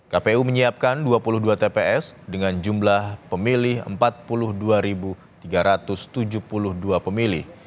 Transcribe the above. kpu menyiapkan dua puluh dua tps dengan jumlah pemilih empat puluh dua tiga ratus tujuh puluh dua pemilih